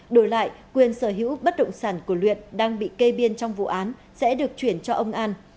đổi lại quyền sở hữu bất động sản của luyện đang bị kê biên trong vụ án sẽ được chuyển cho ông an